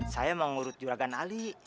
saya mau ngurut juragan ali